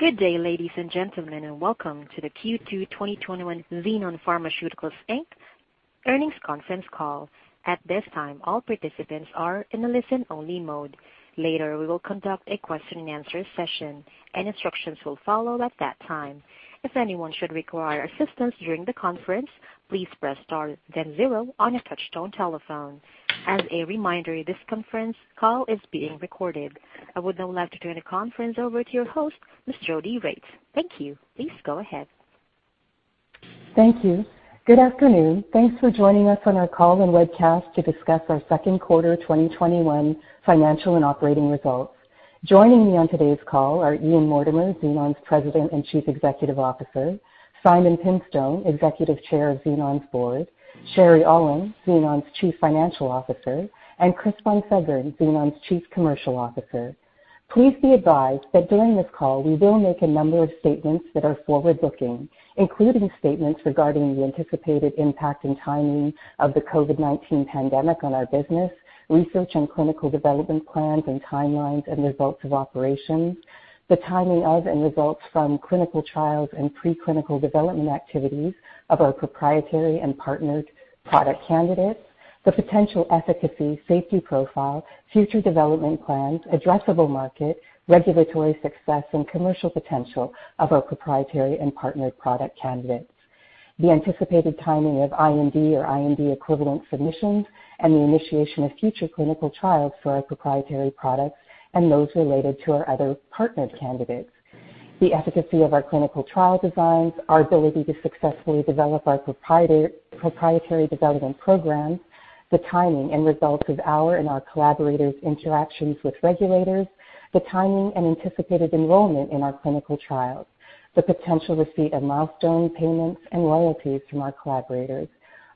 Good day ladies and gentlemen, and welcome to the Q2 2021 Xenon Pharmaceuticals Inc. earnings Conference call. At this time all participants are in only listen mode. Later we would contact a question and answer session. All the instructions will follow at that time. If anyone should require assistance during the conference, please press star, then zero on your telephone keypad. As a reminder this session is being recorded. I would now like to turn the conference over to your host, Ms. Jodi Regts. Thank you. Please go ahead. Thank you. Good afternoon. Thanks for joining us on our call and webcast to discuss our second quarter 2021 financial and operating results. Joining me on today's call are Ian Mortimer, Xenon's President and Chief Executive Officer, Simon Pimstone, Executive Chair of Xenon's board, Sherry Aulin, Xenon's Chief Financial Officer, and Chris Von Seggern, Xenon's Chief Commercial Officer. Please be advised that during this call, we will make a number of statements that are forward-looking, including statements regarding the anticipated impact and timing of the COVID-19 pandemic on our business, research and clinical development plans and timelines and results of operations. The timing of and results from clinical trials and pre-clinical development activities of our proprietary and partnered product candidates. The potential efficacy, safety profile, future development plans, addressable market, regulatory success, and commercial potential of our proprietary and partnered product candidates. The anticipated timing of IND or IND equivalent submissions and the initiation of future clinical trials for our proprietary products and those related to our other partnered candidates. The efficacy of our clinical trial designs, our ability to successfully develop our proprietary development programs, the timing and results of our and our collaborators' interactions with regulators, the timing and anticipated enrollment in our clinical trials, the potential receipt of milestone payments and royalties from our collaborators,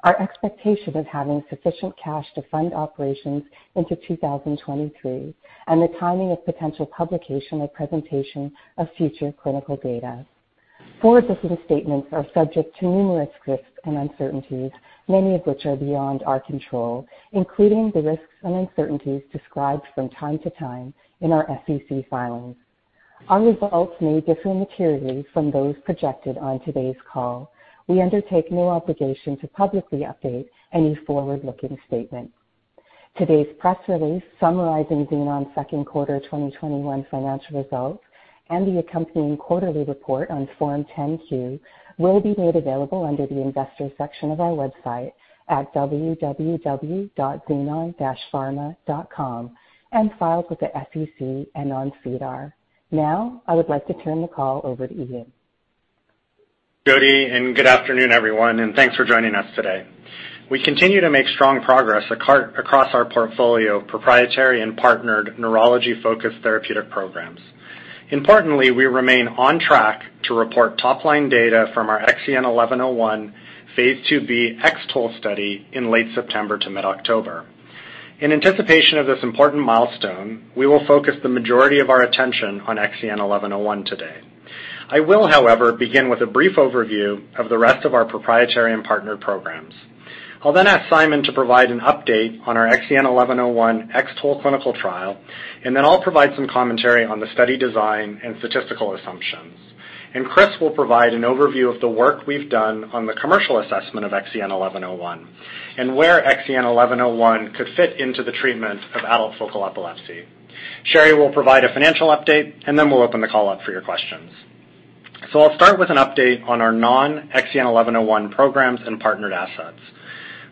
our expectation of having sufficient cash to fund operations into 2023, and the timing of potential publication or presentation of future clinical data. Forward-looking statements are subject to numerous risks and uncertainties, many of which are beyond our control, including the risks and uncertainties described from time to time in our SEC filings. Our results may differ materially from those projected on today's call. We undertake no obligation to publicly update any forward-looking statements. Today's press release summarizing Xenon's second quarter 2021 financial results and the accompanying quarterly report on Form 10-Q will be made available under the Investors section of our website at www.xenon-pharma.com and filed with the SEC and on SEDAR. Now, I would like to turn the call over to Ian. Jodi, good afternoon, everyone, and thanks for joining us today. We continue to make strong progress across our portfolio of proprietary and partnered neurology-focused therapeutic programs. Importantly, we remain on track to report top-line data from our XEN1101 phase II-B X-TOLE study in late September to mid-October. In anticipation of this important milestone, we will focus the majority of our attention on XEN1101 today. I will, however, begin with a brief overview of the rest of our proprietary and partnered programs. I'll ask Simon to provide an update on our XEN1101 X-TOLE clinical trial, I'll provide some commentary on the study design and statistical assumptions. Chris will provide an overview of the work we've done on the commercial assessment of XEN1101 and where XEN1101 could fit into the treatment of adult focal epilepsy. Sherry will provide a financial update, and then we'll open the call up for your questions. I'll start with an update on our non-XEN1101 programs and partnered assets.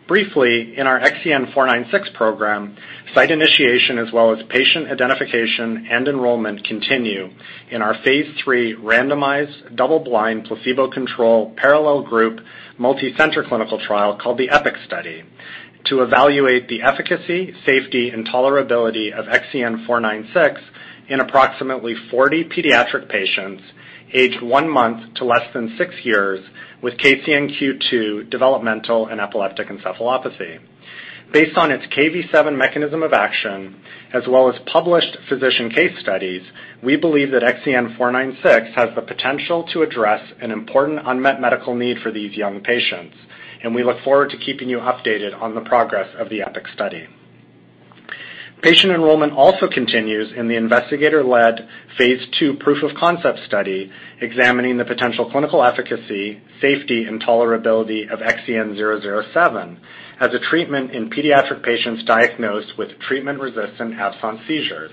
Briefly, in our XEN496 program, site initiation as well as patient identification and enrollment continue in our phase III randomized, double-blind, placebo-controlled, parallel group, multi-center clinical trial called the EPIC study to evaluate the efficacy, safety, and tolerability of XEN496 in approximately 40 pediatric patients aged one month to less than six years with KCNQ2 developmental and epileptic encephalopathy. Based on its Kv7 mechanism of action, as well as published physician case studies, we believe that XEN496 has the potential to address an important unmet medical need for these young patients, and we look forward to keeping you updated on the progress of the EPIC study. Patient enrollment also continues in the investigator-led phase II proof-of-concept study examining the potential clinical efficacy, safety, and tolerability of XEN007 as a treatment in pediatric patients diagnosed with treatment-resistant absence seizures.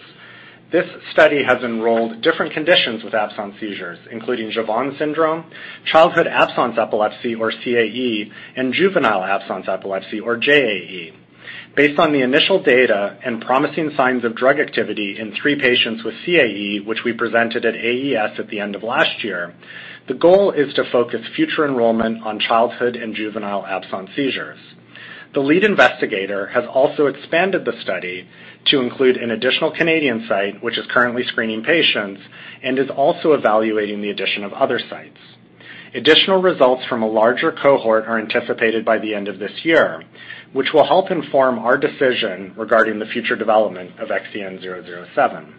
This study has enrolled different conditions with absence seizures, including Jeavons syndrome, childhood absence epilepsy or CAE, and juvenile absence epilepsy or JAE. Based on the initial data and promising signs of drug activity in three patients with CAE, which we presented at AES at the end of last year, the goal is to focus future enrollment on childhood and juvenile absence seizures. The lead investigator has also expanded the study to include an additional Canadian site, which is currently screening patients and is also evaluating the addition of other sites. Additional results from a larger cohort are anticipated by the end of this year, which will help inform our decision regarding the future development of XEN007.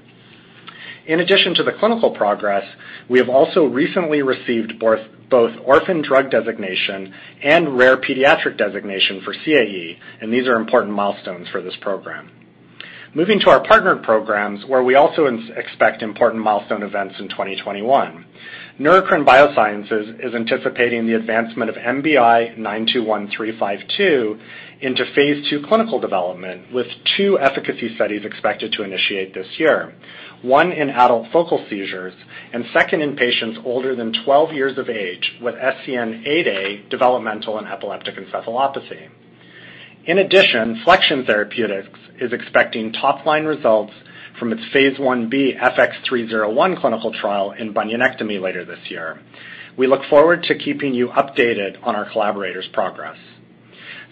In addition to the clinical progress, we have also recently received both orphan drug designation and rare pediatric designation for CAE. These are important milestones for this program. Moving to our partner programs, where we also expect important milestone events in 2021. Neurocrine Biosciences is anticipating the advancement of NBI-921352 into phase II clinical development, with two efficacy studies expected to initiate this year, one in adult focal seizures and two in patients older than 12 years of age with SCN8A developmental and epileptic encephalopathy. In addition, Flexion Therapeutics is expecting top-line results from its phase I-B FX301 clinical trial in bunionectomy later this year. We look forward to keeping you updated on our collaborators' progress.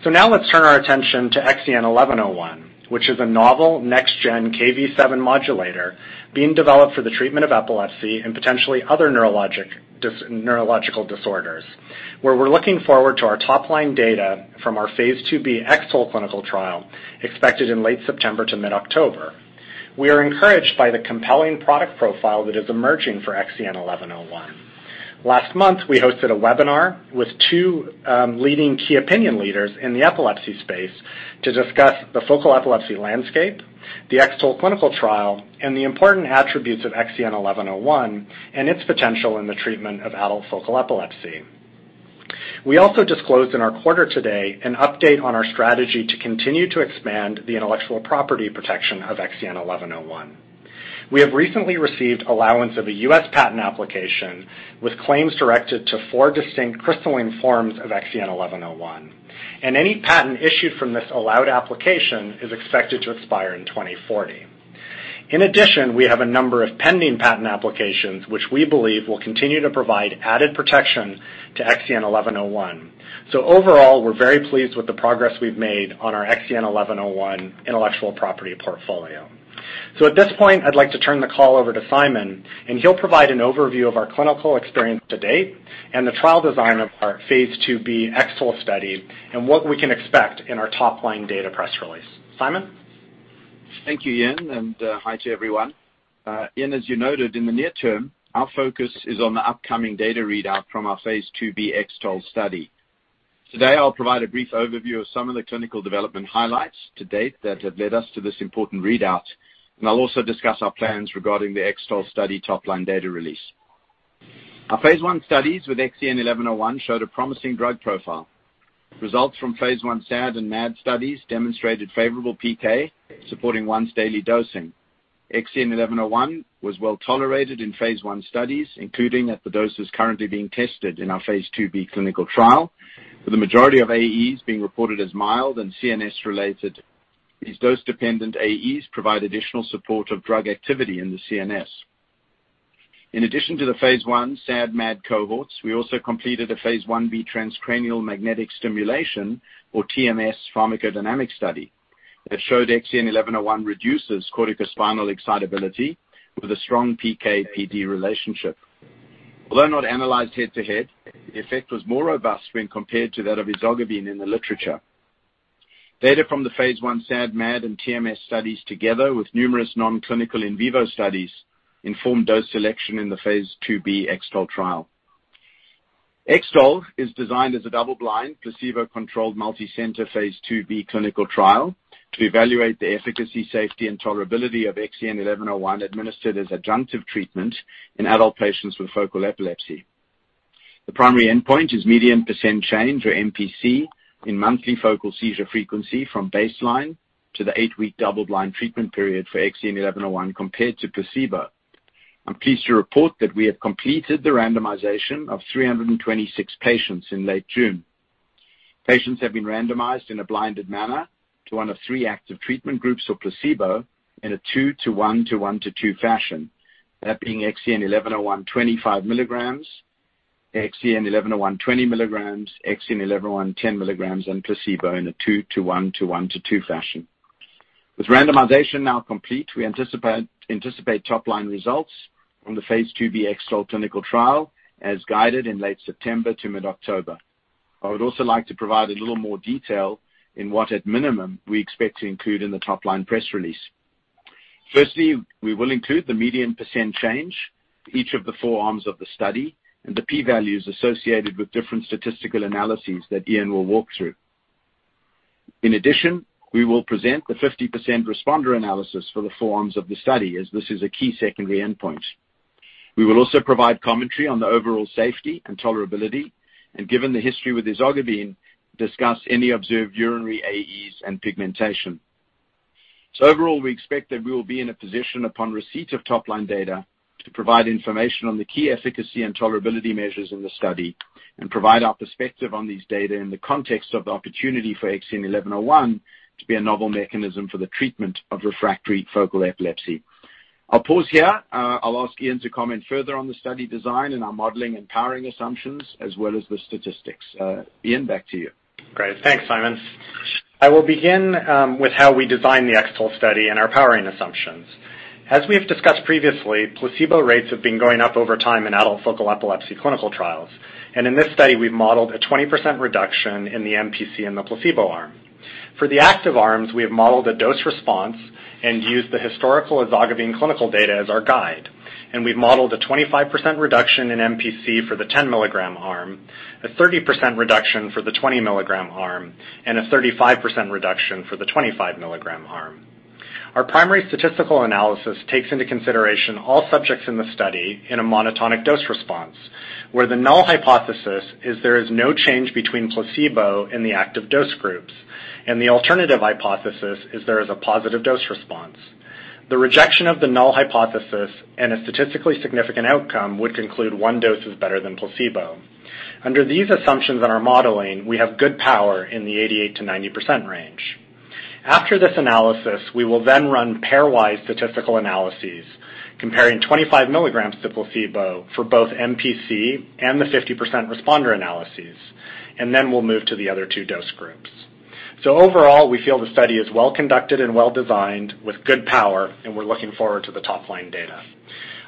Now let's turn our attention to XEN1101, which is a novel next-gen Kv7 modulator being developed for the treatment of epilepsy and potentially other neurological disorders, where we're looking forward to our top-line data from our phase II-B X-TOLE clinical trial expected in late September to mid-October. We are encouraged by the compelling product profile that is emerging for XEN1101. Last month, we hosted a webinar with two leading key opinion leaders in the epilepsy space to discuss the focal epilepsy landscape, the X-TOLE clinical trial, and the important attributes of XEN1101 and its potential in the treatment of adult focal epilepsy. We also disclosed in our quarter today an update on our strategy to continue to expand the intellectual property protection of XEN1101. We have recently received allowance of a U.S. patent application with claims directed to four distinct crystalline forms of XEN1101. Any patent issued from this allowed application is expected to expire in 2040. In addition, we have a number of pending patent applications which we believe will continue to provide added protection to XEN1101. Overall, we're very pleased with the progress we've made on our XEN1101 intellectual property portfolio. At this point, I'd like to turn the call over to Simon, and he'll provide an overview of our clinical experience to date and the trial design of our phase II-B X-TOLE study and what we can expect in our top-line data press release. Simon? Thank you, Ian, and hi to everyone. Ian, as you noted, in the near term, our focus is on the upcoming data readout from our phase II-B X-TOLE study. Today, I'll provide a brief overview of some of the clinical development highlights to date that have led us to this important readout, and I'll also discuss our plans regarding the X-TOLE study top-line data release. Our phase I studies with XEN1101 showed a promising drug profile. Results from phase I SAD and MAD studies demonstrated favorable PK, supporting once daily dosing. XEN1101 was well-tolerated in phase I studies, including at the doses currently being tested in our phase II-B clinical trial, with the majority of AEs being reported as mild and CNS related. These dose-dependent AEs provide additional support of drug activity in the CNS. In addition to the phase I SAD/MAD cohorts, we also completed a phase I-B transcranial magnetic stimulation, or TMS, pharmacodynamic study that showed XEN1101 reduces corticospinal excitability with a strong PK/PD relationship. Although not analyzed head-to-head, the effect was more robust when compared to that of ezogabine in the literature. Data from the phase I SAD/MAD and TMS studies, together with numerous non-clinical in vivo studies, informed dose selection in the phase II-B X-TOLE trial. X-TOLE is designed as a double-blind, placebo-controlled, multi-center phase II-B clinical trial to evaluate the efficacy, safety, and tolerability of XEN1101 administered as adjunctive treatment in adult patients with focal epilepsy. The primary endpoint is median percent change, or MPC, in monthly focal seizure frequency from baseline to the eight-week double-blind treatment period for XEN1101 compared to placebo. I'm pleased to report that we have completed the randomization of 326 patients in late June. Patients have been randomized in a blinded manner to one of three active treatment groups of placebo in a two to one to one to two fashion, that being XEN1101 25 mg, XEN1101 20 mg, XEN1101 10 mg, and placebo in a two to one to one to two fashion. With randomization now complete, we anticipate top-line results from the phase II-B X-TOLE clinical trial as guided in late September to mid-October. I would also like to provide a little more detail in what, at minimum, we expect to include in the top-line press release. Firstly, we will include the median percentage change, each of the four arms of the study, and the p values associated with different statistical analyses that Ian will walk through. In addition, we will present the 50% responder analysis for the four arms of the study, as this is a key secondary endpoint. We will also provide commentary on the overall safety and tolerability, and given the history with ezogabine, discuss any observed urinary AEs and pigmentation. Overall, we expect that we will be in a position upon receipt of top-line data to provide information on the key efficacy and tolerability measures in the study and provide our perspective on these data in the context of the opportunity for XEN1101 to be a novel mechanism for the treatment of refractory focal epilepsy. I'll pause here. I'll ask Ian to comment further on the study design and our modeling and powering assumptions, as well as the statistics. Ian, back to you. Great. Thanks, Simon. I will begin with how we designed the X-TOLE study and our powering assumptions. As we have discussed previously, placebo rates have been going up over time in adult focal epilepsy clinical trials. In this study, we've modeled a 20% reduction in the MPC in the placebo arm. For the active arms, we have modeled a dose response and used the historical ezogabine clinical data as our guide. We've modeled a 25% reduction in MPC for the 10 mg arm, a 30% reduction for the 20 mg arm, and a 35% reduction for the 25 mg arm. Our primary statistical analysis takes into consideration all subjects in the study in a monotonic dose response, where the null hypothesis is there is no change between placebo in the active dose groups, and the alternative hypothesis is there is a positive dose response. The rejection of the null hypothesis and a statistically significant outcome would conclude one dose is better than placebo. Under these assumptions in our modeling, we have good power in the 88%-90% range. After this analysis, we will then run pairwise statistical analyses comparing 25 mg to placebo for both MPC and the 50% responder analyses, and then we'll move to the other two dose groups. Overall, we feel the study is well conducted and well designed with good power, and we're looking forward to the top-line data.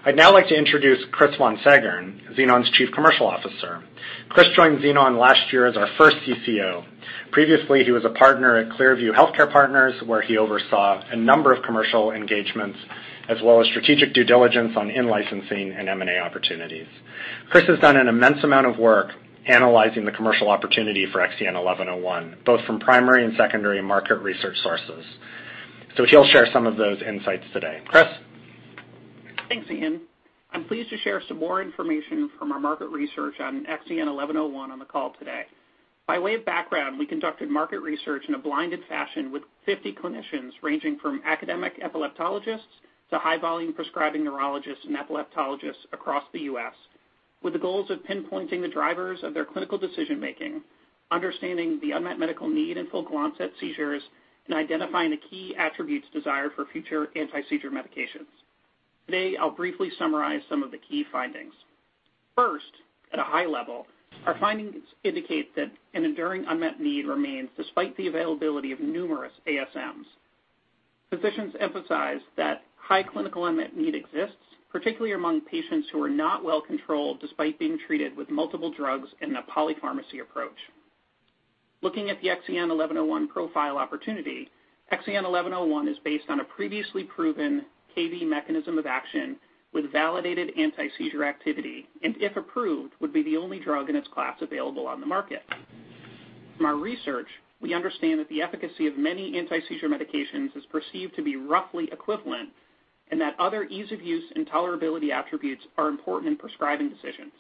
I'd now like to introduce Chris Von Seggern, Xenon's Chief Commercial Officer. Chris joined Xenon last year as our first CCO. Previously, he was a partner at ClearView Healthcare Partners, where he oversaw a number of commercial engagements, as well as strategic due diligence on in-licensing and M&A opportunities. Chris has done an immense amount of work analyzing the commercial opportunity for XEN1101, both from primary and secondary market research sources. He'll share some of those insights today. Chris? Thanks, Ian. I'm pleased to share some more information from our market research on XEN1101 on the call today. By way of background, we conducted market research in a blinded fashion with 50 clinicians ranging from academic epileptologists to high-volume prescribing neurologists and epileptologists across the U.S., with the goals of pinpointing the drivers of their clinical decision-making, understanding the unmet medical need in focal onset seizures, and identifying the key attributes desired for future anti-seizure medications. Today, I'll briefly summarize some of the key findings. First, at a high level, our findings indicate that an enduring unmet need remains despite the availability of numerous ASMs. Physicians emphasize that high clinical unmet need exists, particularly among patients who are not well controlled despite being treated with multiple drugs in a polypharmacy approach. Looking at the XEN1101 profile opportunity, XEN1101 is based on a previously proven Kv mechanism of action with validated anti-seizure activity, and if approved, would be the only drug in its class available on the market. From our research, we understand that the efficacy of many anti-seizure medications is perceived to be roughly equivalent and that other ease-of-use and tolerability attributes are important in prescribing decisions.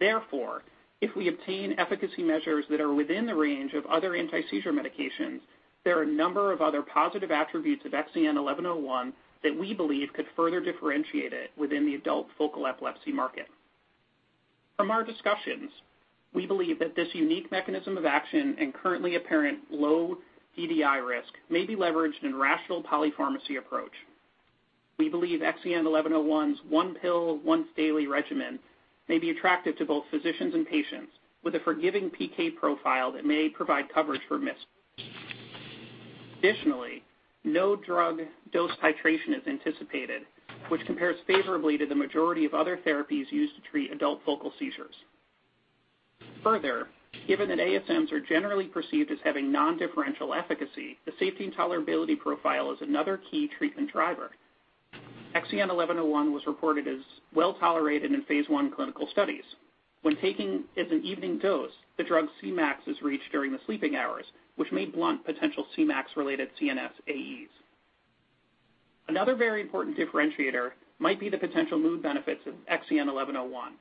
Therefore, if we obtain efficacy measures that are within the range of other anti-seizure medications, there are a number of other positive attributes of XEN1101 that we believe could further differentiate it within the adult focal epilepsy market. From our discussions, we believe that this unique mechanism of action and currently apparent low DDI risk may be leveraged in rational polypharmacy approach. We believe XEN1101's one pill, once daily regimen may be attractive to both physicians and patients with a forgiving PK profile that may provide coverage for missed. No drug dose titration is anticipated, which compares favorably to the majority of other therapies used to treat adult focal seizures. Given that ASMs are generally perceived as having non-differential efficacy, the safety and tolerability profile is another key treatment driver. XEN1101 was reported as well tolerated in phase I clinical studies. When taken as an evening dose, the drug Cmax is reached during the sleeping hours, which may blunt potential Cmax-related CNS AEs. Another very important differentiator might be the potential mood benefits of XEN1101.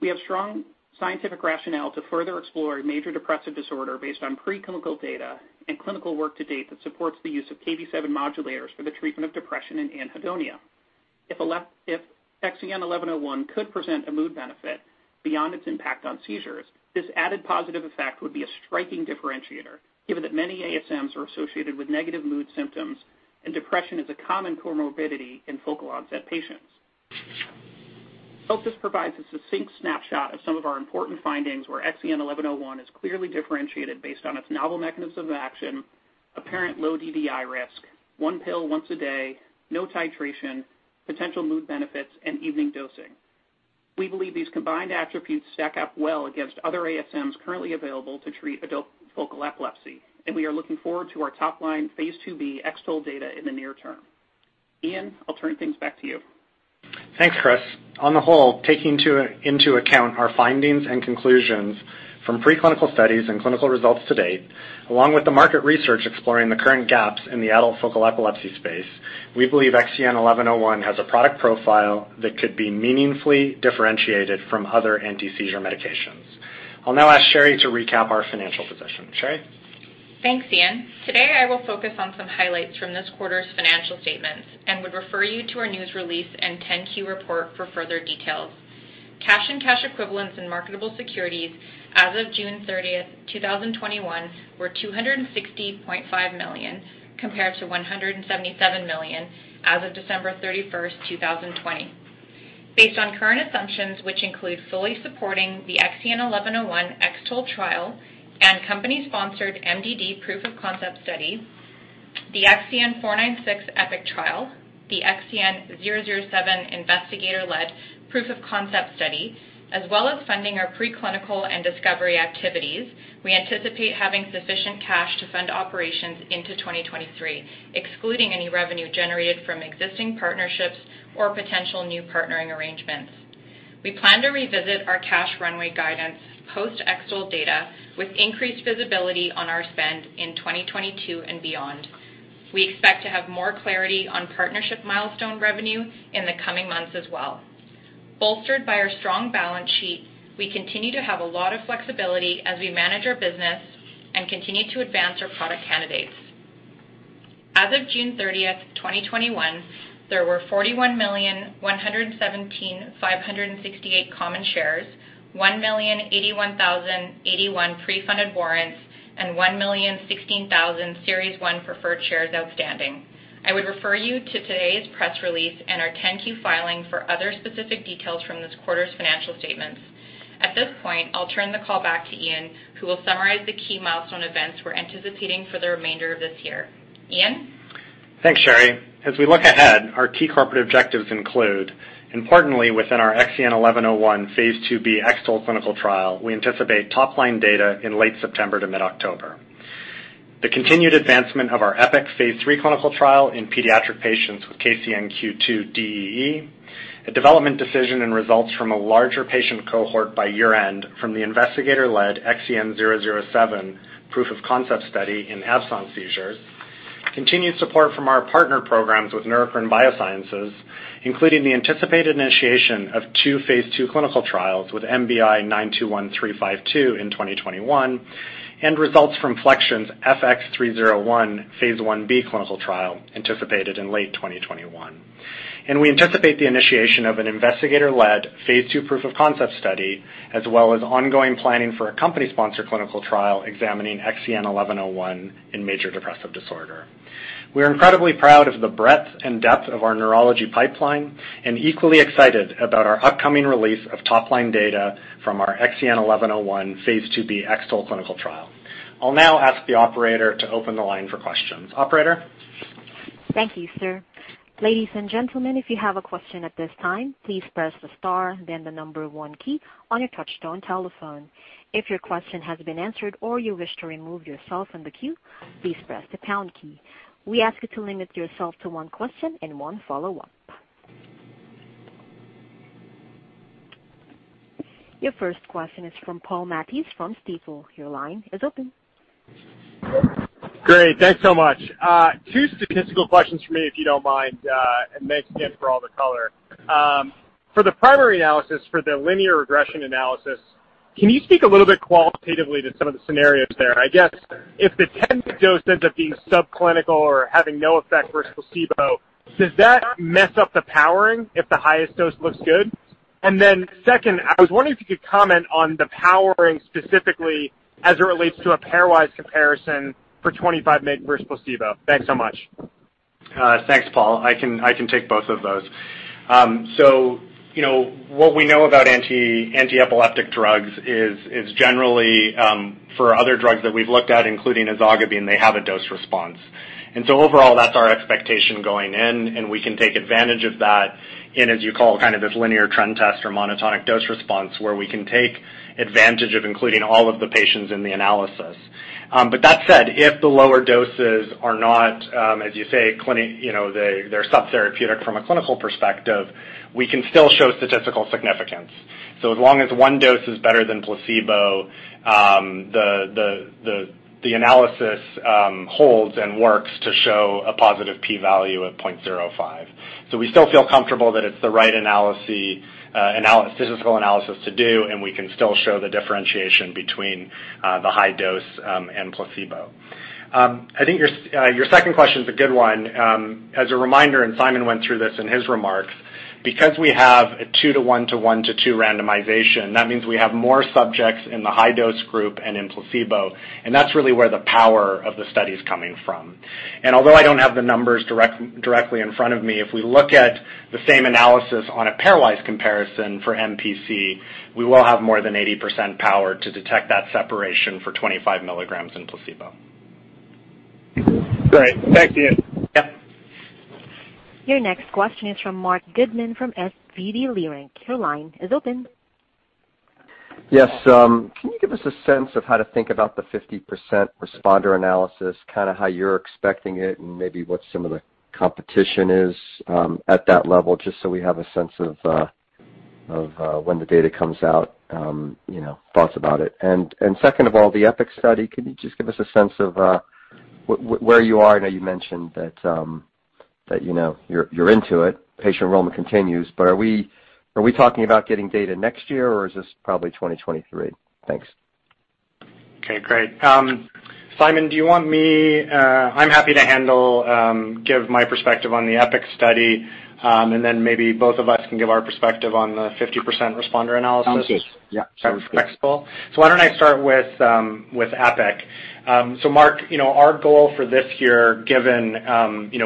We have strong scientific rationale to further explore major depressive disorder based on preclinical data and clinical work to date that supports the use of Kv7 modulators for the treatment of depression and anhedonia. If XEN1101 could present a mood benefit beyond its impact on seizures, this added positive effect would be a striking differentiator, given that many ASMs are associated with negative mood symptoms and depression is a common comorbidity in focal onset patients. I hope this provides a succinct snapshot of some of our important findings where XEN1101 is clearly differentiated based on its novel mechanism of action, apparent low DDI risk, one pill once a day, no titration, potential mood benefits, and evening dosing. We believe these combined attributes stack up well against other ASMs currently available to treat adult focal epilepsy, and we are looking forward to our top-line phase II-B X-TOLE data in the near term. Ian, I'll turn things back to you. Thanks, Chris. On the whole, taking into account our findings and conclusions from preclinical studies and clinical results to date, along with the market research exploring the current gaps in the adult focal epilepsy space, we believe XEN1101 has a product profile that could be meaningfully differentiated from other antiseizure medications. I'll now ask Sherry to recap our financial position. Sherry? Thanks, Ian. Today, I will focus on some highlights from this quarter's financial statements and would refer you to our news release and 10-Q report for further details. Cash and cash equivalents in marketable securities as of June 30th, 2021, were $260.5 million, compared to $177 million as of December 31st, 2020. Based on current assumptions, which include fully supporting the XEN1101 X-TOLE trial and company-sponsored MDD proof-of-concept study, the XEN496 EPIC trial, the XEN007 investigator-led proof of concept study, as well as funding our preclinical and discovery activities, we anticipate having sufficient cash to fund operations into 2023, excluding any revenue generated from existing partnerships or potential new partnering arrangements. We plan to revisit our cash runway guidance, post-X-TOLE data, with increased visibility on our spend in 2022 and beyond. We expect to have more clarity on partnership milestone revenue in the coming months as well. Bolstered by our strong balance sheet, we continue to have a lot of flexibility as we manage our business and continue to advance our product candidates. As of June 30th, 2021, there were 41,117,568 common shares, 1,081,081 pre-funded warrants, and 1,016,000 Series 1 preferred shares outstanding. I would refer you to today's press release and our 10-Q filing for other specific details from this quarter's financial statements. At this point, I'll turn the call back to Ian, who will summarize the key milestone events we're anticipating for the remainder of this year. Ian? Thanks, Sherry. As we look ahead, our key corporate objectives include, importantly, within our XEN1101 phase II-B X-TOLE clinical trial, we anticipate top-line data in late September to mid-October. The continued advancement of our EPIC phase III clinical trial in pediatric patients with KCNQ2 DEE, a development decision and results from a larger patient cohort by year-end from the investigator-led XEN007 proof of concept study in absence seizures. Continued support from our partner programs with Neurocrine Biosciences, including the anticipated initiation of two phase II clinical trials with NBI-921352 in 2021, and results from Flexion Therapeutics' FX-301 phase I-B clinical trial anticipated in late 2021. We anticipate the initiation of an investigator-led phase II proof of concept study, as well as ongoing planning for a company-sponsored clinical trial examining XEN1101 in major depressive disorder. We're incredibly proud of the breadth and depth of our neurology pipeline, and equally excited about our upcoming release of top-line data from our XEN1101 phase II-B X-TOLE clinical trial. I'll now ask the operator to open the line for questions. Operator? Thank you sir. Ladies and gentlemen if you have a question at this time please dial star then number one key on your touchstone telephone. If your question has been answered or you wish to remove yourself from the queue, please press the pound key. We ask you to limit yourself to one question and one follow-up. Your first question is from Paul Matteis from Stifel. Your line is open. Great. Thanks so much. Two statistical questions from me, if you don't mind. Thanks again for all the color. For the primary analysis for the linear regression analysis, can you speak a little bit qualitatively to some of the scenarios there? I guess if the 10th dose ends up being subclinical or having no effect versus placebo, does that mess up the powering if the highest dose looks good? Then second, I was wondering if you could comment on the powering specifically as it relates to a pairwise comparison for 25 mg versus placebo. Thanks so much. Thanks, Paul. I can take both of those. What we know about antiepileptic drugs is generally, for other drugs that we've looked at, including ezogabine, they have a dose response. Overall, that's our expectation going in, and we can take advantage of that in, as you call, kind of this linear trend test or monotonic dose response, where we can take advantage of including all of the patients in the analysis. That said, if the lower doses are not, as you say, they're subtherapeutic from a clinical perspective, we can still show statistical significance. As long as one dose is better than placebo, the analysis holds and works to show a positive P value of 0.05. We still feel comfortable that it's the right statistical analysis to do, and we can still show the differentiation between the high dose and placebo. I think your second question's a good one. As a reminder, Simon went through this in his remarks, because we have a two to one to one to two randomization, that means we have more subjects in the high dose group and in placebo, and that's really where the power of the study is coming from. Although I don't have the numbers directly in front of me, if we look at the same analysis on a pairwise comparison for MPC, we will have more than 80% power to detect that separation for 25 mg in placebo. Great. Thanks, Ian. Yep. Your next question is from Marc Goodman from SVB Leerink. Yes. Can you give us a sense of how to think about the 50% responder analysis, kind of how you're expecting it, and maybe what some of the competition is at that level, just so we have a sense of when the data comes out, thoughts about it. Second of all, the EPIC study, can you just give us a sense of where you are? I know you mentioned that you're into it. Patient enrollment continues. Are we talking about getting data next year, or is this probably 2023? Thanks. Okay, great. Simon, I'm happy to handle, give my perspective on the EPIC study, and then maybe both of us can give our perspective on the 50% responder analysis. Sounds good. Yeah. Sounds good. Sounds respectful. Why don't I start with EPIC. Marc, our goal for this year, given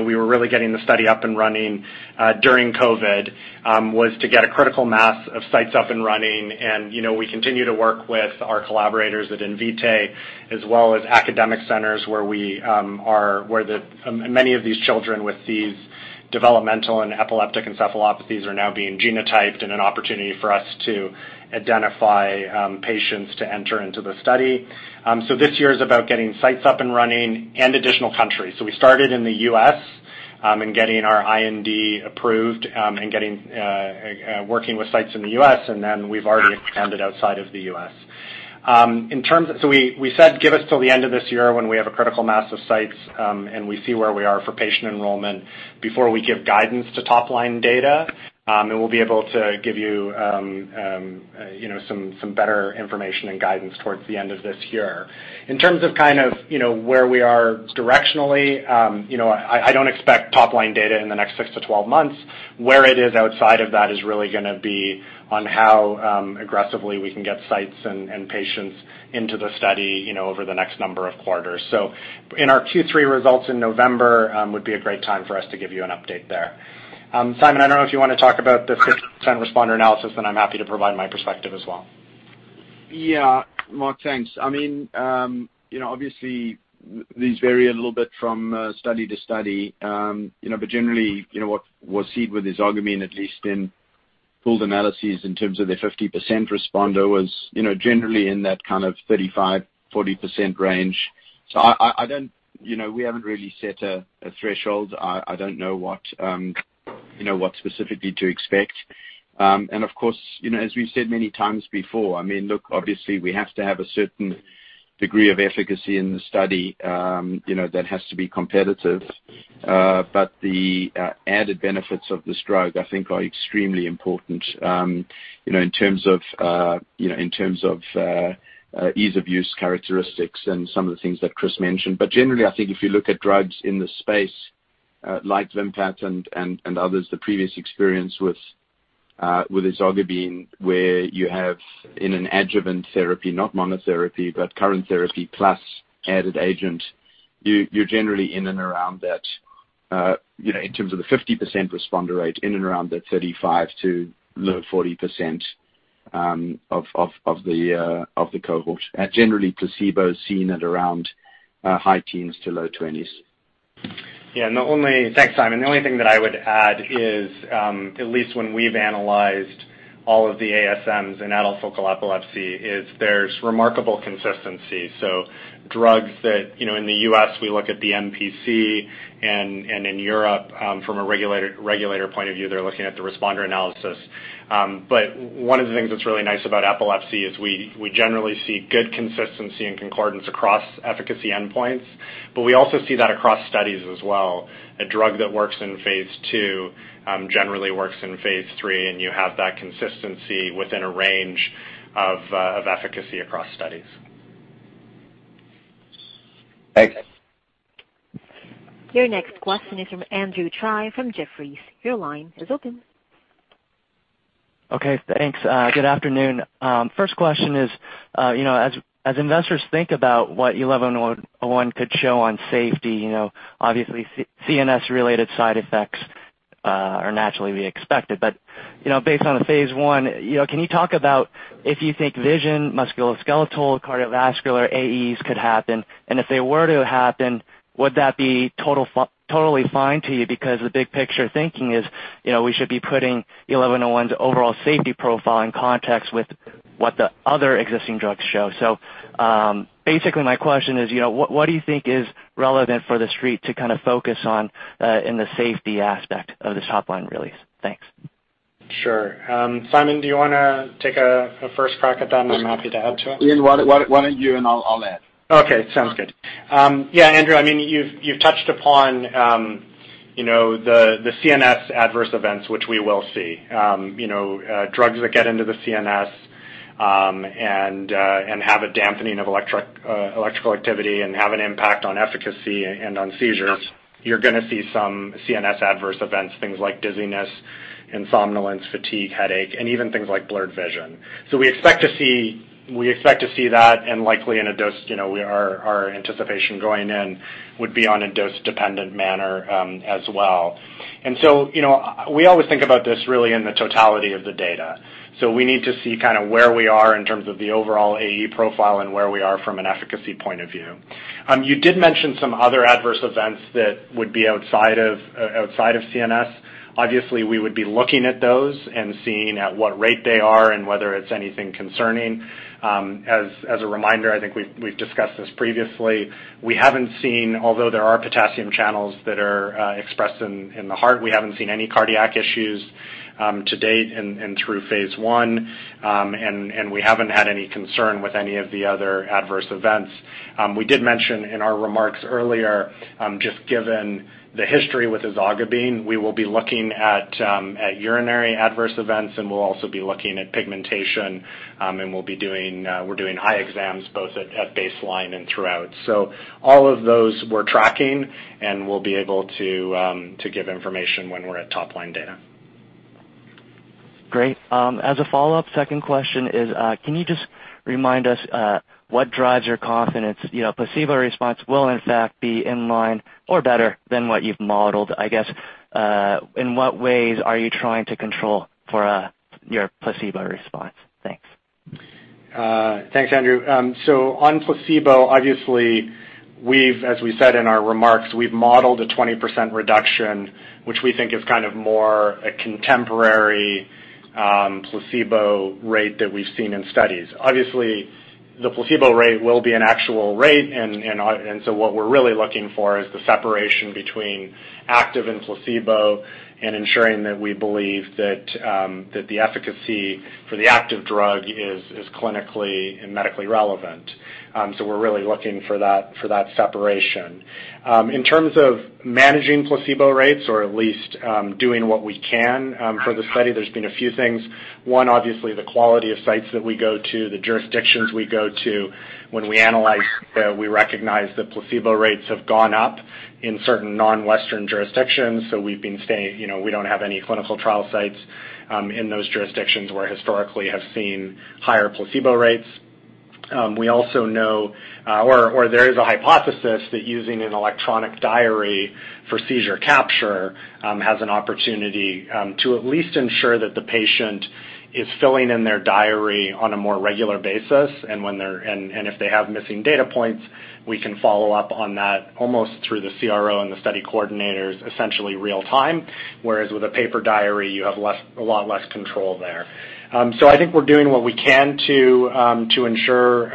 we were really getting the study up and running during COVID, was to get a critical mass of sites up and running, and we continue to work with our collaborators at Invitae as well as academic centers where many of these children with these developmental and epileptic encephalopathies are now being genotyped and an opportunity for us to identify patients to enter into the study. This year is about getting sites up and running and additional countries. We started in the U.S. and getting our IND approved and working with sites in the U.S. We've already expanded outside of the U.S. We said give us till the end of this year when we have a critical mass of sites, and we see where we are for patient enrollment before we give guidance to top-line data, and we'll be able to give you some better information and guidance towards the end of this year. In terms of where we are directionally, I don't expect top-line data in the next six to 12 months. Where it is outside of that is really going to be on how aggressively we can get sites and patients into the study over the next number of quarters. In our Q3 results in November would be a great time for us to give you an update there. Simon, I don't know if you want to talk about the 50% responder analysis, and I'm happy to provide my perspective as well. Yeah. Marc, thanks. Obviously, these vary a little bit from study to study. Generally, what we'll see with ezogabine at least in pooled analyses in terms of their 50% responder was generally in that kind of 35%-40% range. We haven't really set a threshold. I don't know what specifically to expect. Of course, as we've said many times before, look, obviously we have to have a certain degree of efficacy in the study that has to be competitive. The added benefits of this drug, I think, are extremely important in terms of ease of use characteristics and some of the things that Chris mentioned. Generally, I think if you look at drugs in the space like VIMPAT and others, the previous experience with ezogabine where you have in an adjuvant therapy, not monotherapy, but current therapy plus added agent, you're generally in and around that, in terms of the 50% responder rate in and around that 35%-40% of the cohort. Generally, placebo is seen at around high teens to low 20s. Yeah. Thanks, Simon. The only thing that I would add is, at least when we've analyzed all of the ASMs in adult focal epilepsy, is there's remarkable consistency. Drugs that, in the U.S. we look at the MPC and in Europe from a regulator point of view, they're looking at the responder analysis. One of the things that's really nice about epilepsy is we generally see good consistency and concordance across efficacy endpoints. We also see that across studies as well. A drug that works in phase II generally works in phase III and you have that consistency within a range of efficacy across studies. Thanks. Your next question is from Andrew Tsai from Jefferies. Your line is open. Okay, thanks. Good afternoon. First question is, as investors think about what XEN1101 could show on safety, obviously CNS-related side effects are naturally be expected. Based on the phase I, can you talk about if you think vision, musculoskeletal, cardiovascular AEs could happen? If they were to happen, would that be totally fine to you? The big picture thinking is we should be putting XEN1101's overall safety profile in context with what the other existing drugs show. Basically my question is, what do you think is relevant for the street to kind of focus on in the safety aspect of this top line release? Thanks. Sure. Simon, do you want to take a first crack at that and I'm happy to add to it? Why don't you and I'll add. Okay, sounds good. Yeah, Andrew, you've touched upon the CNS adverse events which we will see. Drugs that get into the CNS and have a dampening of electrical activity and have an impact on efficacy and on seizures. You're going to see some CNS adverse events, things like dizziness, somnolence, fatigue, headache, and even things like blurred vision. We expect to see that and likely in a dose, our anticipation going in would be on a dose-dependent manner as well. We always think about this really in the totality of the data. We need to see where we are in terms of the overall AE profile and where we are from an efficacy point of view. You did mention some other adverse events that would be outside of CNS. Obviously, we would be looking at those and seeing at what rate they are and whether it's anything concerning. As a reminder, I think we've discussed this previously. Although there are potassium channels that are expressed in the heart, we haven't seen any cardiac issues to date and through phase I. We haven't had any concern with any of the other adverse events. We did mention in our remarks earlier, just given the history with ezogabine, we will be looking at urinary adverse events and we'll also be looking at pigmentation. We're doing eye exams both at baseline and throughout. All of those we're tracking and we'll be able to give information when we're at top line data. Great. As a follow-up, second question is can you just remind us what drives your confidence placebo response will in fact be in line or better than what you've modeled? I guess in what ways are you trying to control for your placebo response? Thanks. Thanks, Andrew. On placebo, obviously as we said in our remarks, we've modeled a 20% reduction which we think is kind of more a contemporary placebo rate that we've seen in studies. The placebo rate will be an actual rate. What we're really looking for is the separation between active and placebo and ensuring that we believe that the efficacy for the active drug is clinically and medically relevant. We're really looking for that separation. In terms of managing placebo rates, or at least doing what we can for the study, there's been a few things. One, obviously the quality of sites that we go to, the jurisdictions we go to. When we analyze data, we recognize that placebo rates have gone up in certain non-Western jurisdictions. We don't have any clinical trial sites in those jurisdictions where historically have seen higher placebo rates. We also know, or there is a hypothesis that using an electronic diary for seizure capture has an opportunity to at least ensure that the patient is filling in their diary on a more regular basis. If they have missing data points, we can follow up on that almost through the CRO and the study coordinators, essentially real time. Whereas with a paper diary, you have a lot less control there. I think we're doing what we can to ensure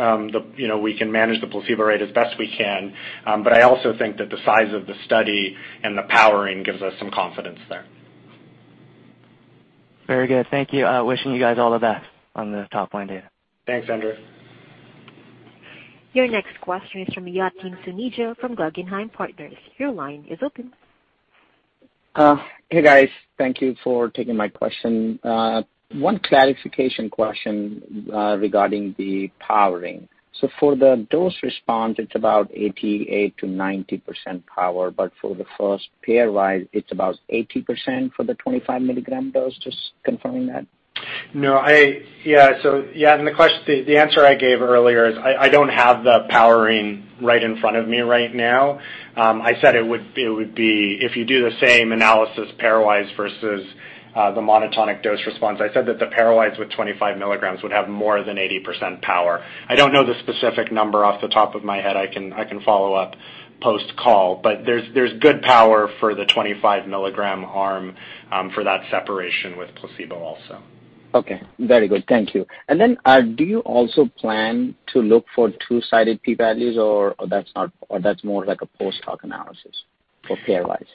we can manage the placebo rate as best we can. I also think that the size of the study and the powering gives us some confidence there. Very good. Thank you. Wishing you guys all the best on the top-line data. Thanks, Andrew. Your next question is from Yatin Suneja from Guggenheim Partners. Hey, guys. Thank you for taking my question. One clarification question regarding the powering. For the dose response, it's about 88%-90% power, but for the first pairwise, it's about 80% for the 25 mg dose. Just confirming that. No. The answer I gave earlier is I don't have the powering right in front of me right now. If you do the same analysis pairwise versus the monotonic dose response, I said that the pairwise with 25 mg would have more than 80% power. I don't know the specific number off the top of my head. I can follow up post-call. There's good power for the 25 mg arm for that separation with placebo also. Okay. Very good. Thank you. Do you also plan to look for two-sided P values or that's more like a post-hoc analysis for pairwise?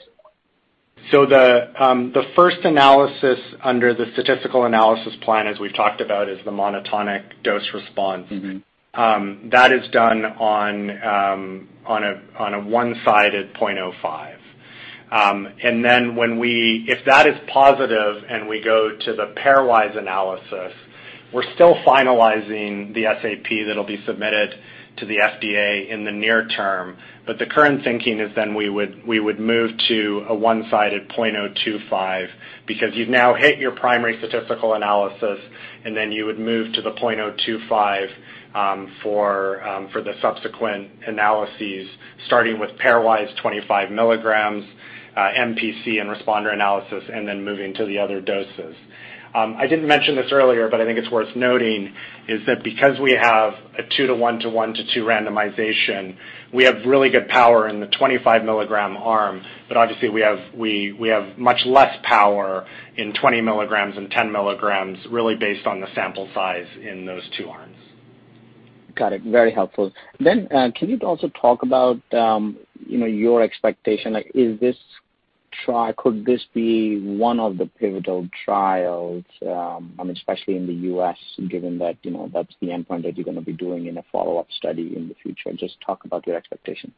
The first analysis under the statistical analysis plan, as we've talked about, is the monotonic dose response. That is done on a one-sided 0.05. If that is positive and we go to the pairwise analysis, we're still finalizing the SAP that'll be submitted to the FDA in the near term. The current thinking is then we would move to a one-sided 0.025 because you've now hit your primary statistical analysis, and then you would move to the 0.025 for the subsequent analyses, starting with pairwise 25 mg, MPC, and responder analysis, and then moving to the other doses. I didn't mention this earlier, but I think it's worth noting, is that because we have a two to one to one to two randomization, we have really good power in the 25 mg arm, but obviously we have much less power in 20 mg and 10 mg, really based on the sample size in those two arms. Got it. Very helpful. Can you also talk about your expectation? Could this be one of the pivotal trials, especially in the U.S., given that's the endpoint that you're going to be doing in a follow-up study in the future? Just talk about your expectation.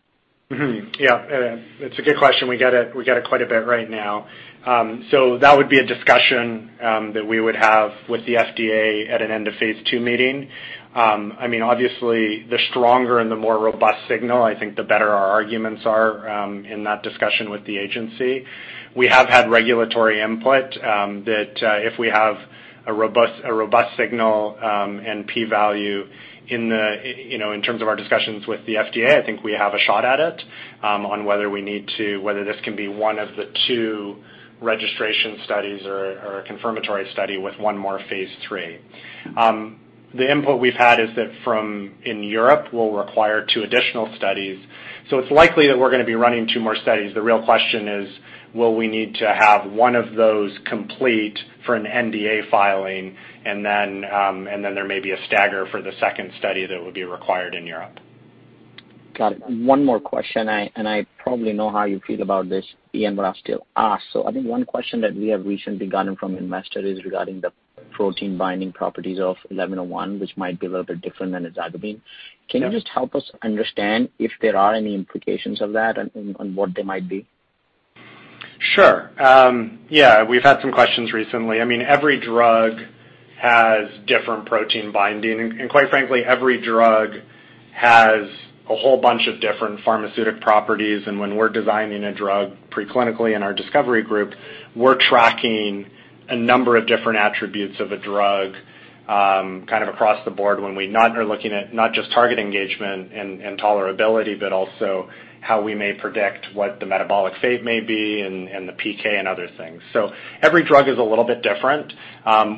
It's a good question. We get it quite a bit right now. That would be a discussion that we would have with the FDA at an end-of-phase II meeting. Obviously, the stronger and the more robust signal, I think the better our arguments are in that discussion with the agency. We have had regulatory input that if we have a robust signal and P value in terms of our discussions with the FDA, I think we have a shot at it on whether this can be one of the two registration studies or a confirmatory study with one more phase III. The input we've had is that in Europe, we'll require two additional studies. It's likely that we're going to be running two more studies. The real question is will we need to have one of those complete for an NDA filing, and then there may be a stagger for the second study that would be required in Europe. Got it. One more question, and I probably know how you feel about this, Ian, but I'll still ask. I think one question that we have recently gotten from investors is regarding the protein binding properties of 1101, which might be a little bit different than ezogabine. Yeah. Can you just help us understand if there are any implications of that, and what they might be? Sure. Yeah, we've had some questions recently. Every drug has different protein binding, and quite frankly, every drug has a whole bunch of different pharmaceutic properties, and when we not are looking at not just target engagement and tolerability, but also how we may predict what the metabolic fate may be and the PK and other things. Every drug is a little bit different.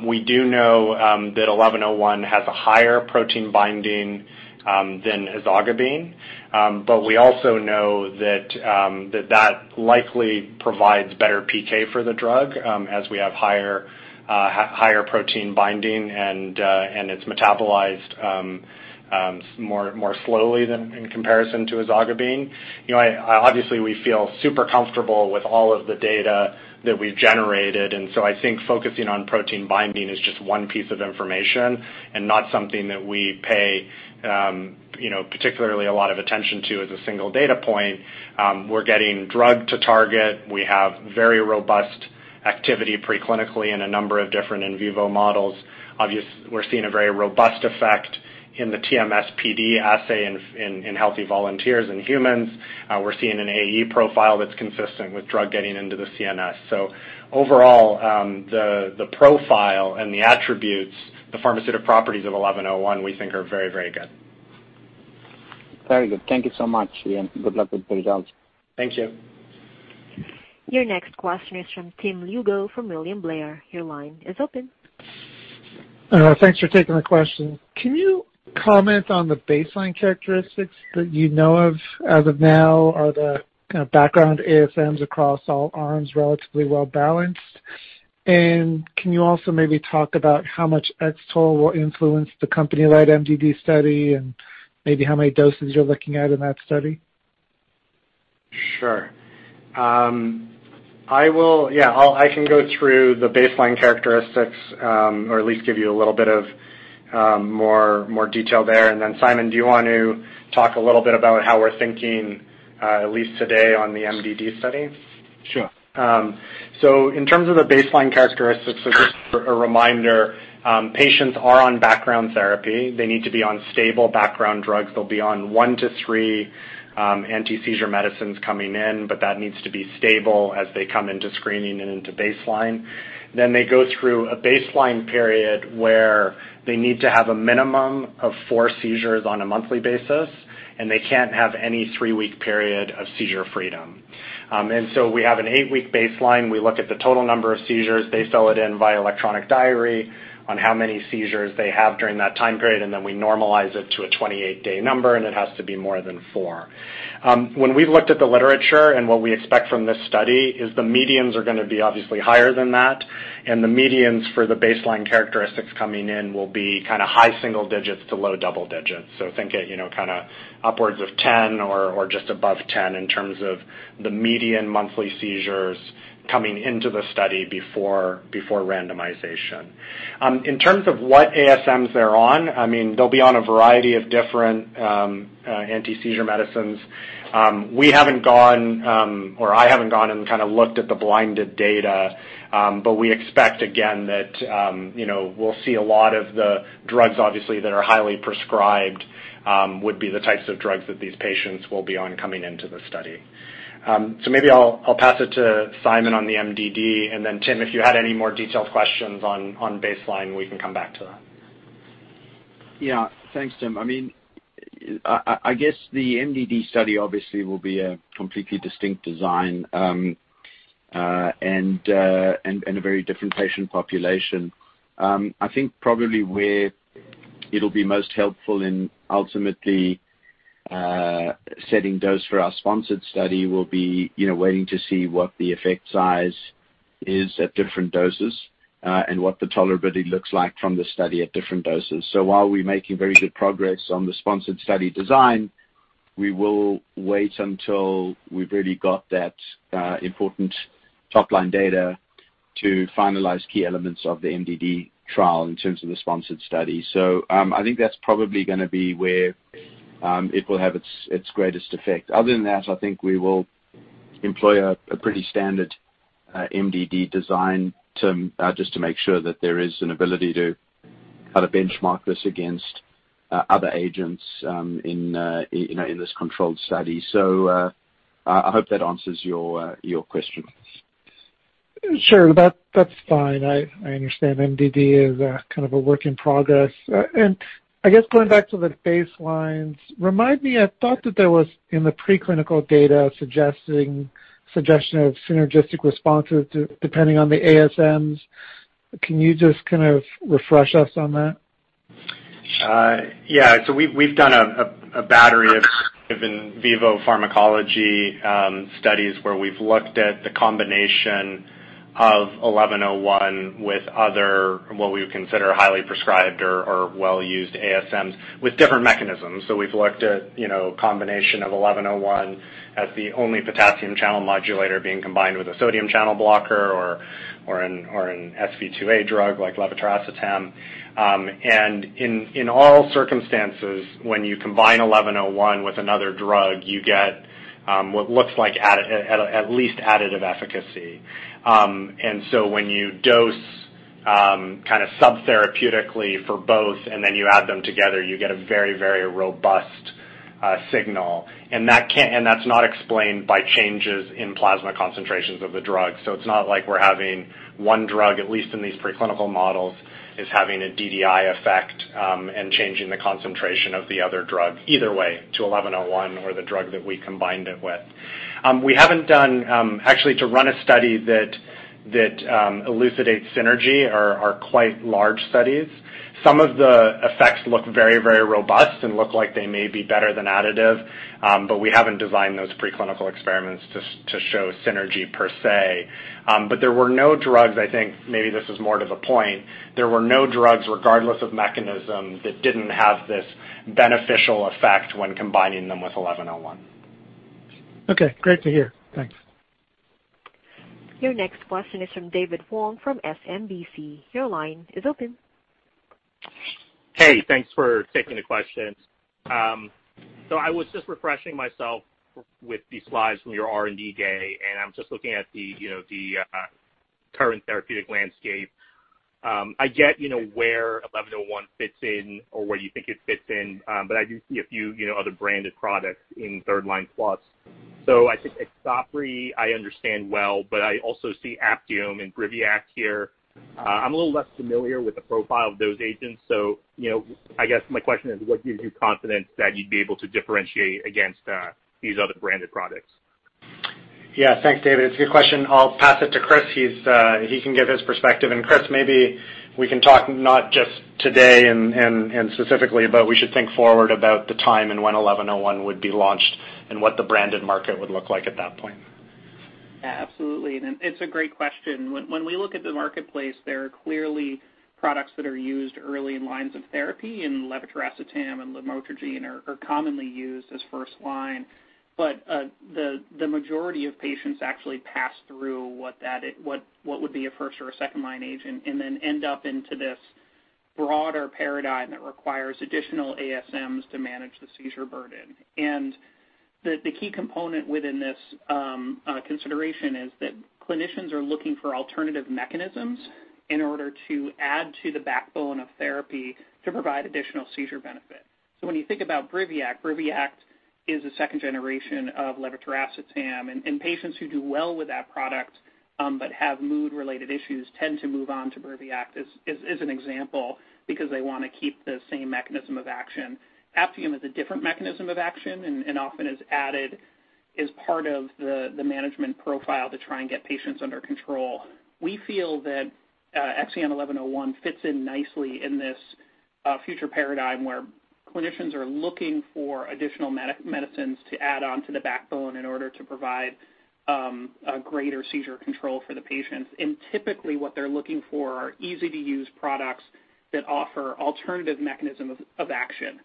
We do know that XEN1101 has a higher protein binding than ezogabine. We also know that likely provides better PK for the drug, as we have higher protein binding and it's metabolized more slowly than in comparison to ezogabine. Obviously, we feel super comfortable with all of the data that we've generated. I think focusing on protein binding is just one piece of information and not something that we pay particularly a lot of attention to as a single data point. We're getting drug to target. We have very robust activity pre-clinically in a number of different in vivo models. Obviously, we're seeing a very robust effect in the TMS PD assay in healthy volunteers in humans. We're seeing an AE profile that's consistent with drug getting into the CNS. Overall, the profile and the attributes, the pharmaceutical properties of XEN1101, we think are very good. Very good. Thank you so much, Ian. Good luck with the results. Thanks, Yatin. Your next question is from Tim Lugo for William Blair. Your line is open. Thanks for taking my question. Can you comment on the baseline characteristics that you know of as of now? Are the background ASMs across all arms relatively well-balanced? Can you also maybe talk about how much X-TOLE will influence the company-wide MDD study, and maybe how many doses you're looking at in that study? Sure. I can go through the baseline characteristics, or at least give you a little bit of more detail there. Simon, do you want to talk a little bit about how we're thinking, at least today, on the MDD study? Sure. In terms of the baseline characteristics, just a reminder, patients are on background therapy. They need to be on stable background drugs. They'll be on one to three antiseizure medications coming in, but that needs to be stable as they come into screening and into baseline. They go through a baseline period where they need to have a minimum of four seizures on a monthly basis, and they can't have any three-week period of seizure freedom. We have an eight-week baseline. We look at the total number of seizures. They fill it in via electronic diary on how many seizures they have during that time period, and then we normalize it to a 28-day number, and it has to be more than four. When we looked at the literature and what we expect from this study is the medians are going to be obviously higher than that, and the medians for the baseline characteristics coming in will be high single digits to low double digits. Think upwards of 10 or just above 10 in terms of the median monthly seizures coming into the study before randomization. In terms of what ASMs they're on, they'll be on a variety of different antiseizure medications. We haven't gone, or I haven't gone and looked at the blinded data. We expect, again, that we'll see a lot of the drugs, obviously, that are highly prescribed would be the types of drugs that these patients will be on coming into the study. Maybe I'll pass it to Simon on the MDD. Tim, if you had any more detailed questions on baseline, we can come back to that. Yeah. Thanks, Tim. I guess the MDD study obviously will be a completely distinct design and a very different patient population. I think probably where it'll be most helpful in ultimately setting dose for our sponsored study will be waiting to see what the effect size is at different doses, and what the tolerability looks like from the study at different doses. While we're making very good progress on the sponsored study design, we will wait until we've really got that important top-line data to finalize key elements of the MDD trial in terms of the sponsored study. I think that's probably going to be where it will have its greatest effect. Other than that, I think we will employ a pretty standard MDD design just to make sure that there is an ability to benchmark this against other agents in this controlled study. I hope that answers your questions. Sure. That's fine. I understand MDD is a work in progress. I guess going back to the baselines, remind me, I thought that there was, in the preclinical data, suggestion of synergistic responses depending on the ASMs. Can you just refresh us on that? Yeah. We've done a battery of in vivo pharmacology studies where we've looked at the combination of 1101 with other, what we would consider, highly prescribed or well-used ASMs with different mechanisms. We've looked at combination of 1101 as the only potassium channel modulator being combined with a sodium channel blocker or an SV2A drug like levetiracetam. In all circumstances, when you combine 1101 with another drug, you get what looks like at least additive efficacy. When you dose sub-therapeutically for both and then you add them together, you get a very robust signal. That's not explained by changes in plasma concentrations of the drug. It's not like we're having one drug, at least in these preclinical models, is having a DDI effect and changing the concentration of the other drug either way to 1101 or the drug that we combined it with. We haven't done, actually, to run a study that elucidate synergy are quite large studies. Some of the effects look very, very robust and look like they may be better than additive. We haven't designed those preclinical experiments to show synergy per se. There were no drugs, I think maybe this is more to the point. There were no drugs, regardless of mechanism, that didn't have this beneficial effect when combining them with XEN1101. Okay, great to hear. Thanks. Your next question is from David Wong from SMBC. Your line is open. Hey, thanks for taking the question. I was just refreshing myself with the slides from your R&D day, and I'm just looking at the current therapeutic landscape. I get where XEN1101 fits in or where you think it fits in. I do see a few other branded products in third line plus. I think the top three, I understand well, but I also see Aptiom and BRIVIACT here. I'm a little less familiar with the profile of those agents. I guess my question is, what gives you confidence that you'd be able to differentiate against these other branded products? Yeah. Thanks, David. It's a good question. I'll pass it to Chris. He can give his perspective. Chris, maybe we can talk not just today and specifically, but we should think forward about the time and when 1101 would be launched and what the branded market would look like at that point. Yeah, absolutely. It's a great question. When we look at the marketplace, there are clearly products that are used early in lines of therapy, levetiracetam and lamotrigine are commonly used as first line. The majority of patients actually pass through what would be a first or a second line agent end up into this broader paradigm that requires additional ASMs to manage the seizure burden. The key component within this consideration is that clinicians are looking for alternative mechanisms in order to add to the backbone of therapy to provide additional seizure benefit. When you think about BRIVIACT is a second generation of levetiracetam. Patients who do well with that product, but have mood-related issues, tend to move on to BRIVIACT as an example, because they want to keep the same mechanism of action. Aptiom is a different mechanism of action and often is added as part of the management profile to try and get patients under control. We feel that XEN1101 fits in nicely in this future paradigm where clinicians are looking for additional medicines to add on to the backbone in order to provide a greater seizure control for the patients. Typically what they're looking for are easy-to-use products that offer alternative mechanism of action.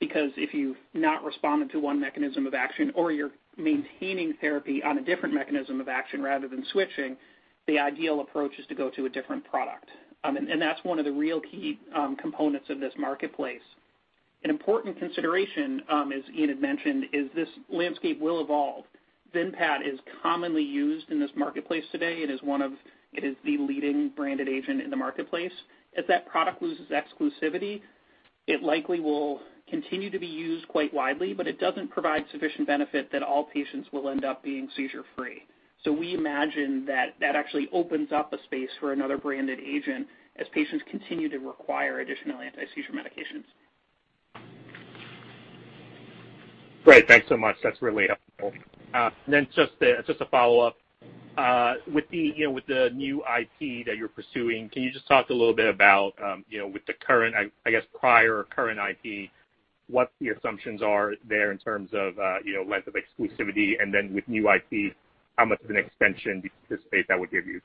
Because if you've not responded to one mechanism of action or you're maintaining therapy on a different mechanism of action rather than switching, the ideal approach is to go to a different product. That's one of the real key components of this marketplace. An important consideration, as Ian had mentioned, is this landscape will evolve. VIMPAT is commonly used in this marketplace today and is the leading branded agent in the marketplace. As that product loses exclusivity, it likely will continue to be used quite widely, but it doesn't provide sufficient benefit that all patients will end up being seizure-free. We imagine that that actually opens up a space for another branded agent as patients continue to require additional anti-seizure medications. Great. Thanks so much. That's really helpful. Just a follow-up. With the new IP that you're pursuing, can you just talk a little bit about, with the current, I guess, prior current IP, what the assumptions are there in terms of length of exclusivity, and then with new IP, how much of an extension do you anticipate that would give you?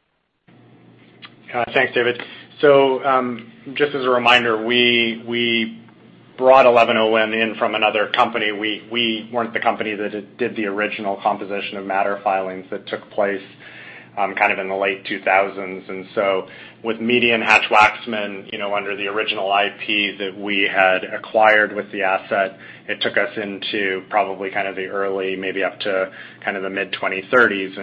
Thanks, David. Just as a reminder, we brought XEN1101 in from another company. We weren't the company that did the original composition of matter filings that took place kind of in the late 2000s. With Hatch-Waxman under the original IP that we had acquired with the asset, it took us into probably kind of the early, maybe up to kind of the mid 2030s.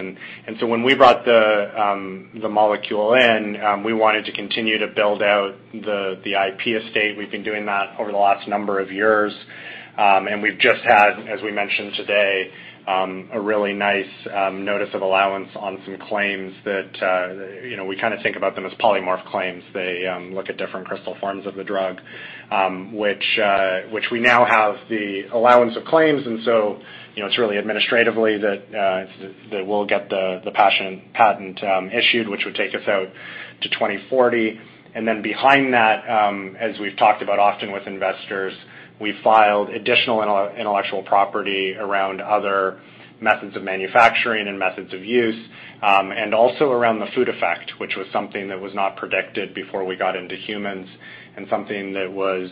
When we brought the molecule in, we wanted to continue to build out the IP estate. We've been doing that over the last number of years. We've just had, as we mentioned today, a really nice notice of allowance on some claims that we think about them as polymorph claims. They look at different crystal forms of the drug. Which we now have the allowance of claims. It's really administratively that we'll get the patent issued, which would take us out to 2040. Behind that, as we've talked about often with investors, we filed additional intellectual property around other methods of manufacturing and methods of use. Also around the food effect, which was something that was not predicted before we got into humans and something that was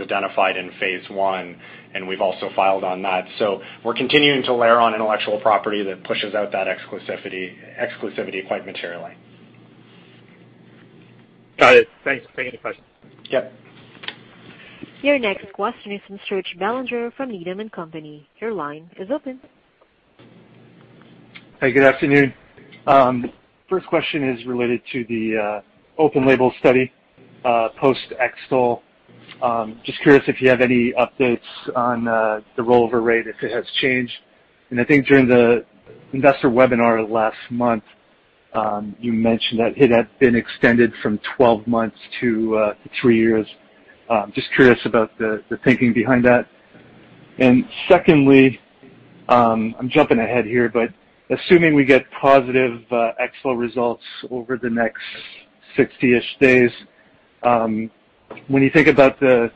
identified in phase I, and we've also filed on that. We're continuing to layer on intellectual property that pushes out that exclusivity quite materially. Got it. Thanks. Yep. Your next question is from Serge Belanger from Needham & Company. Your line is open. Hey, good afternoon. First question is related to the open label study post-X-TOLE. Just curious if you have any updates on the rollover rate, if it has changed. I think during the investor webinar last month, you mentioned that it had been extended from 12 months to three years. Just curious about the thinking behind that. Secondly, I'm jumping ahead here, but assuming we get positive X-TOLE results over the next 60-ish days. When you think about the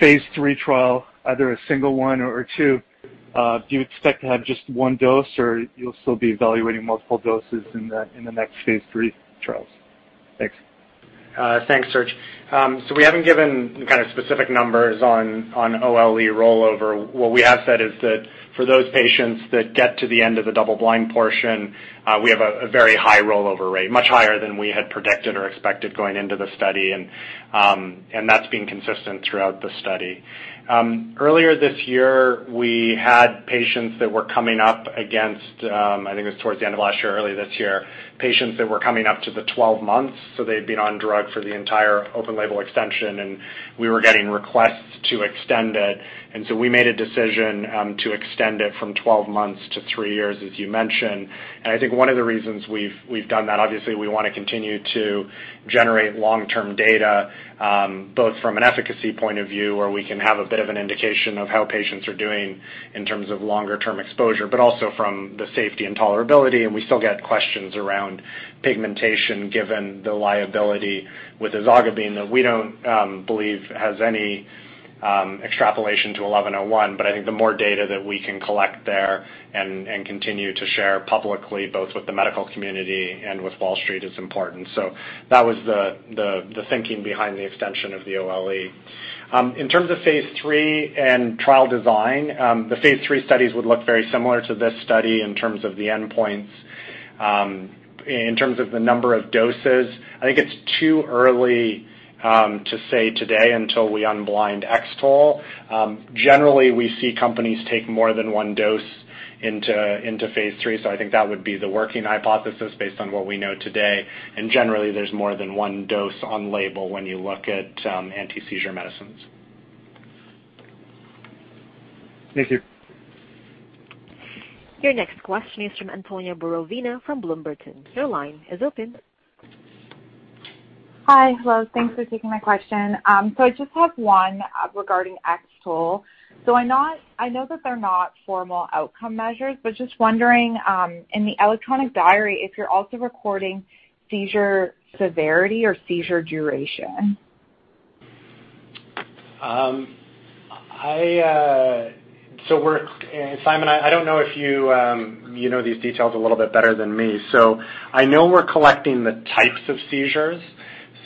phase III trial, either a single one or two, do you expect to have just one dose, or you'll still be evaluating multiple doses in the next phase III trials? Thanks. Thanks, Serge. We haven't given kind of specific numbers on OLE rollover. What we have said is that for those patients that get to the end of the double-blind portion, we have a very high rollover rate, much higher than we had predicted or expected going into the study. That's been consistent throughout the study. Earlier this year, we had patients that were coming up against, I think it was towards the end of last year or early this year, patients that were coming up to the 12 months, so they'd been on drug for the entire open label extension, and we were getting requests to extend it. We made a decision to extend it from 12 months to three years, as you mentioned. I think one of the reasons we've done that, obviously, we want to continue to generate long-term data, both from an efficacy point of view, where we can have a bit of an indication of how patients are doing in terms of longer-term exposure, but also from the safety and tolerability. We still get questions around pigmentation given the liability with ezogabine that we don't believe has any extrapolation to XEN1101. I think the more data that we can collect there and continue to share publicly, both with the medical community and with Wall Street, is important. That was the thinking behind the extension of the OLE. In terms of phase III and trial design, the phase III studies would look very similar to this study in terms of the endpoints. In terms of the number of doses, I think it's too early to say today until we unblind X-TOLE. Generally, we see companies take more than one dose into phase III, so I think that would be the working hypothesis based on what we know today. Generally, there's more than 1 dose on label when you look at antiseizure medicines. Thank you. Your next question is from Antonia Borovina from Bloom Burton. Your line is open. Hi. Hello. Thanks for taking my question. I just have one regarding X-TOLE. I know that they're not formal outcome measures, but just wondering, in the electronic diary, if you're also recording seizure severity or seizure duration. Simon, I don't know if you know these details a little bit better than me. I know we're collecting the types of seizures.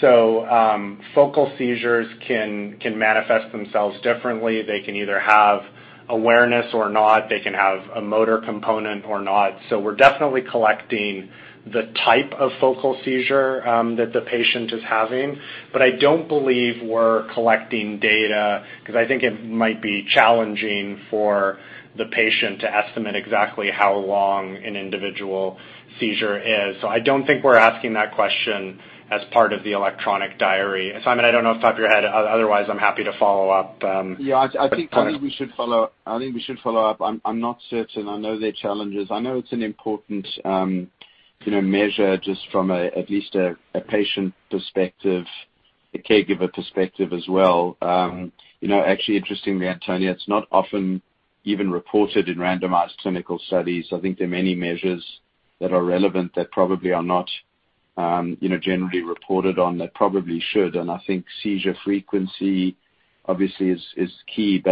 Focal seizures can manifest themselves differently. They can either have awareness or not. They can have a motor component or not. We're definitely collecting the type of focal seizure that the patient is having. I don't believe we're collecting data because I think it might be challenging for the patient to estimate exactly how long an individual seizure is. I don't think we're asking that question as part of the electronic diary. Simon, I don't know off the top of your head. Otherwise, I'm happy to follow up. I think we should follow up. I'm not certain. I know there are challenges. I know it's an important measure just from at least a patient perspective, a caregiver perspective as well. Interestingly, Antonia, it's not often even reported in randomized clinical studies. I think there are many measures that are relevant that probably are not generally reported on that probably should. I think seizure frequency obviously is key,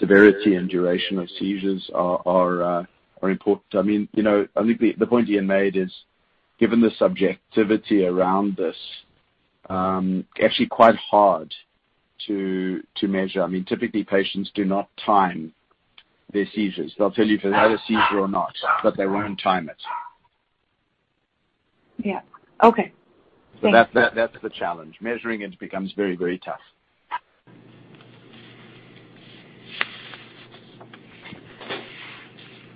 severity and duration of seizures are important. I think the point Ian made is given the subjectivity around this, actually quite hard to measure. Typically, patients do not time their seizures. They'll tell you if they've had a seizure or not, but they won't time it. Yeah. Okay. Thank you. That's the challenge. Measuring it becomes very tough.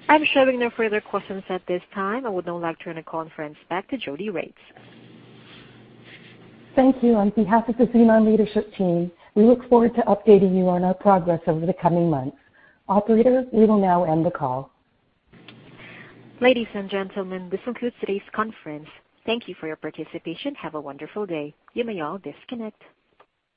I'm showing no further questions at this time. I would now like to turn the conference back to Jodi Regts. Thank you. On behalf of the Xenon leadership team, we look forward to updating you on our progress over the coming months. Operator, we will now end the call. Ladies and gentlemen, this concludes today's conference. Thank you for your participation. Have a wonderful day. You may all disconnect.